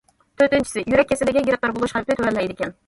تۆتىنچىسى: يۈرەك كېسىلىگە گىرىپتار بولۇش خەۋپى تۆۋەنلەيدىكەن.